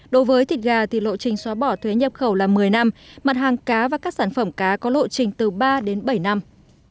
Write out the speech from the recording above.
đối với thịt gà thì lộ trình xóa bỏ thuế nhập khẩu là một mươi năm mặt hàng cá và các sản phẩm cá có lộ trình từ ba đến bảy năm